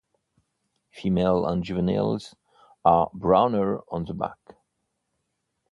Females and juveniles are browner on the back.